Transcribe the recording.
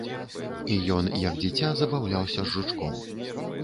І ён, як дзіця, забаўляўся з жучком.